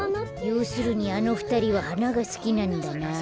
ようするにあのふたりははながすきなんだなあ。